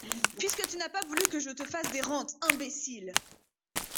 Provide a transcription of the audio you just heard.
Puisque tu n’as pas voulu que je te fasse des rentes, imbécile !…